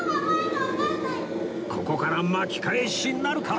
ここから巻き返しなるか？